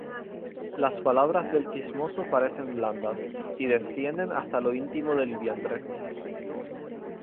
Las palabras del chismoso parecen blandas, Y descienden hasta lo íntimo del vientre.